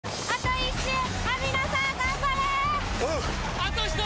あと１人！